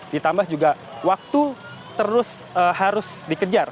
ditambah juga waktu terus harus dikejar